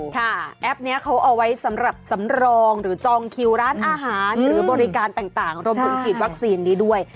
แอปนี้เขาเอาไว้สำหรับสำรองหรือจองคิวร้านอาหารหรือบริการต่างรวมถึงฉีดวัคซีนนี้ด้วย